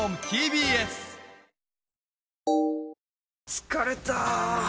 疲れた！